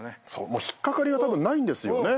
引っ掛かりがたぶんないんですよね。